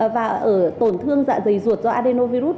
và tổn thương dạ dày ruột do andenovirus